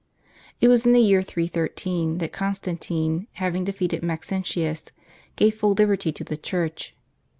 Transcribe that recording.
It was in the year 313 that Constantino, having defeated Maxentius, gave full liberty to the Church.